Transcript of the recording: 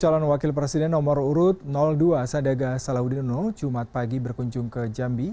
calon wakil presiden nomor urut dua sadaga salahuddin uno jumat pagi berkunjung ke jambi